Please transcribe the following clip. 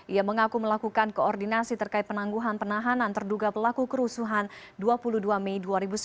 ia mengaku melakukan koordinasi terkait penangguhan penahanan terduga pelaku kerusuhan dua puluh dua mei dua ribu sembilan belas